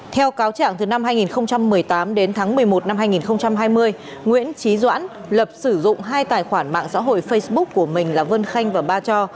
theo cáo trạng từ năm hai nghìn một mươi tám đến tháng một mươi một năm hai nghìn hai mươi nguyễn trí doãn lập sử dụng hai tài khoản mạng xã hội facebook của mình là vân khanh và ba cho